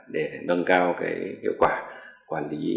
để nâng cao hiệu quả quản lý